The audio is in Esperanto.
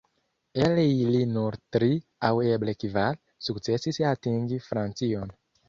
El ili nur tri, aŭ eble kvar, sukcesis atingi Francion.